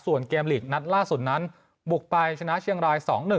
ส่วนเกมลีกนัดล่าสุดนั้นบุกไปชนะเชียงราย๒๑